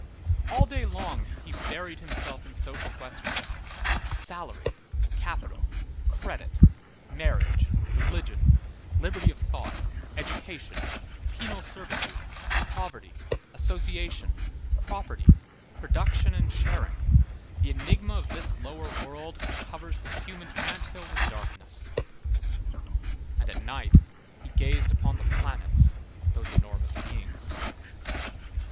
All day long, he buried himself in social questions, salary, capital, credit, marriage, religion, liberty of thought, education, penal servitude, poverty, association, property, production and sharing, the enigma of this lower world which covers the human ant hill with darkness; and at night, he gazed upon the planets, those enormous beings.